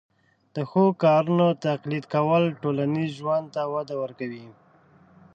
د ښو کارونو تقلید کول ټولنیز ژوند ته وده ورکوي.